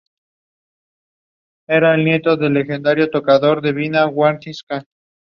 Otro historiador, Ibn Abd-al-Mumin utiliza la forma "ar-Rudhamanun" por los normandos del ducado.